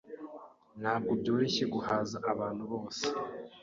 Ntabwo byoroshye guhaza abantu bose.